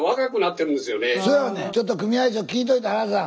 ちょっと組合長聞いといて原田さん。